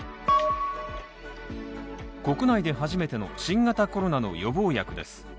国内で初めての新型コロナの予防薬です。